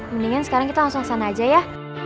mendingan sekarang kita langsung sana aja ya